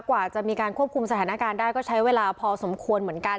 กว่าจะมีการควบคุมสถานการณ์ได้ก็ใช้เวลาพอสมควรเหมือนกัน